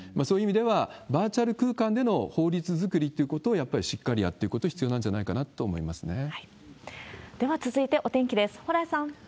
そういう意味では、バーチャル空間での法律作りということを、やっぱりしっかりやっていくことが必要なんじゃないかなと思いまでは続いてお天気です。